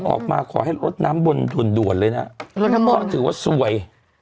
อออกมาขอให้ลดน้ำบ่นด่วนด่วนเลยนะถือว่าซวย